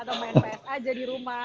atau main ps aja di rumah